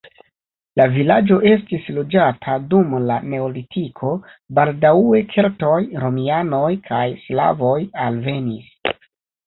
La vilaĝo estis loĝata dum la neolitiko, baldaŭe keltoj, romianoj kaj slavoj alvenis.